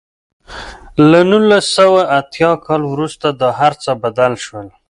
له نولس سوه اتیا کال وروسته دا هر څه بدل شول.